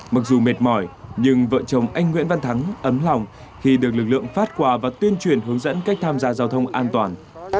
mặc dù mệt mỏi nhưng vợ chồng anh nguyễn văn thắng ấm lòng khi được lực lượng phát quà và tuyên truyền hướng dẫn cách tham gia giao thông an toàn